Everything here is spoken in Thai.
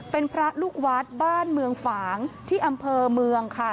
เป็นพระลูกวัดบ้านเมืองฝางที่อำเภอเมืองค่ะ